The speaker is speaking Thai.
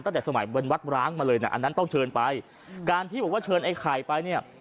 ตั้งแต่สมัยเป็นวัดร้างมาเลยนะอันนั้นต้องเชิญไปการที่บอกว่าเชิญไอ้ไข่ไปเนี่ย